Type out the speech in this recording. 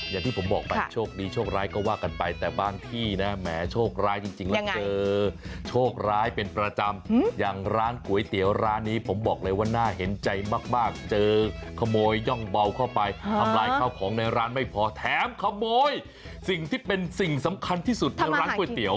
อย่างที่ผมบอกไปโชคดีโชคร้ายก็ว่ากันไปแต่บางที่นะแหมโชคร้ายจริงแล้วเจอโชคร้ายเป็นประจำอย่างร้านก๋วยเตี๋ยวร้านนี้ผมบอกเลยว่าน่าเห็นใจมากเจอขโมยย่องเบาเข้าไปทำลายข้าวของในร้านไม่พอแถมขโมยสิ่งที่เป็นสิ่งสำคัญที่สุดในร้านก๋วยเตี๋ย